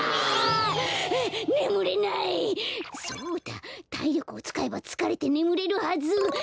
たいりょくをつかえばつかれてねむれるはず！